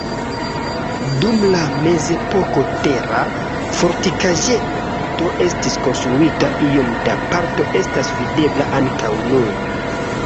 Dum la mezepoko tera fortikaĵeto estis konstruita, iom da parto estas videbla ankaŭ nun.